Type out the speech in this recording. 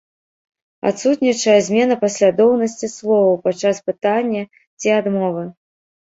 Адсутнічае змена паслядоўнасці словаў падчас пытання ці адмовы.